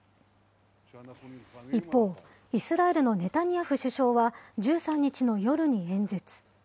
一方、イスラエルのネタニヤフ首相は、１３日の夜に演説。